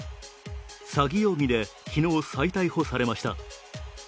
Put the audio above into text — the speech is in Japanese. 詐欺容疑で昨日再逮捕されました。